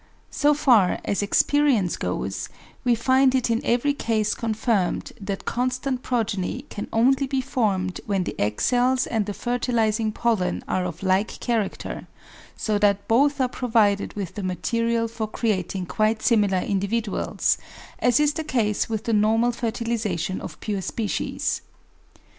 So far as experience goes, we find it in every case confirmed that constant progeny can only be formed when the egg cells and the fertilising pollen are of like character, so that both are provided with the material for creating quite similar individuals, as is the case with the normal fertilisation of pure species.